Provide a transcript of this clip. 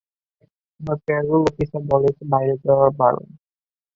আমার payroll officer বলে গেছে, বাইরে যাওয়া বারণ!